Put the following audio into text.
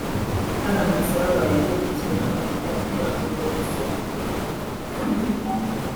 Haramutse habayeho iki nakwita kurambirwa gusondekwa ku bafana